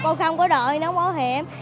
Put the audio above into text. con không có đợi nón bảo hiểm